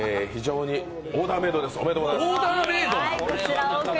オーダーメードです、おめでとうございます。